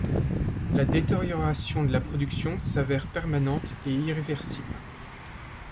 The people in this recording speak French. La détérioration de la production s’avère permanente et irréversible.